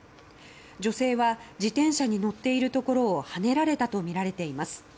女性は自転車に乗っているところをはねられたとみられています。